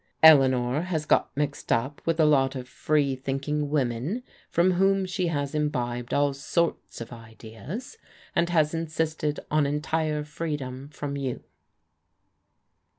Eleanor has got mixed up with a lot of free thinking women, from whom she has imbibed all sorts of ideas, and has insisted on entire freedom from you."